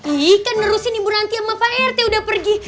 ih kan nerusin ibu ranti sama pak rt udah pergi